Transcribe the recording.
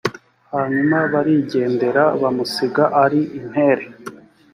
hanyuma barigendera bamusiga ari intere